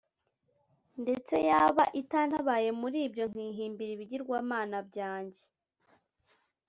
ndetse yaba itantabaye muri byo nkihimbira ibigirwamana byanjye